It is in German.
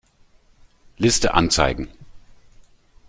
Liste anzeigen.